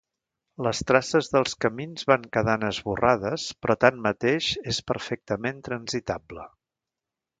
Les traces dels camins van quedant esborrades però tanmateix és perfectament transitable.